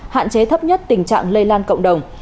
hạn chế thấp nhất tình trạng lây lan cộng đồng